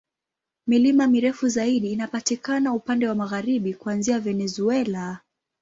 Milima mirefu zaidi inapatikana upande wa magharibi, kuanzia Venezuela.